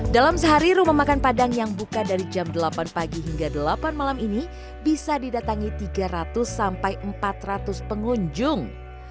dalam sehari rumah makan padang yang buka dari jam delapan pagi hingga delapan malam ini bisa didatangi tiga ratus sampai empat ratus pengunjung